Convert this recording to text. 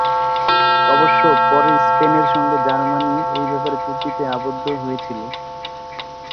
অবশ্য পরে স্পেনের সঙ্গে জার্মানি এই ব্যাপারে চুক্তিতে আবদ্ধ হয়ে ছিল।